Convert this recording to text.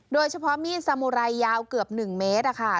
โดยเฉพาะมีดสามุไรยาวเกือบ๑เมตร